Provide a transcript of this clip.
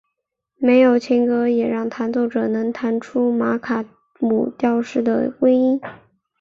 没有琴格也让弹奏者能弹出玛卡姆调式中的微音。